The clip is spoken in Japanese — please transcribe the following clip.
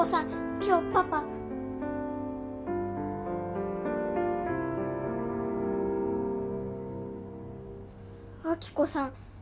今日パパ亜希子さん